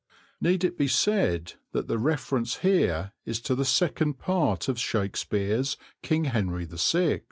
Need it be said that the reference here is to the second part of Shakespeare's King Henry VI?